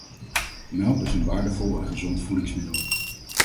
Melk is een waardevol en gezond voedingsmiddel.